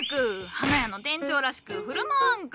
花屋の店長らしくふるまわんか。